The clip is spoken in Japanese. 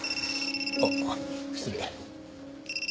あっ失礼。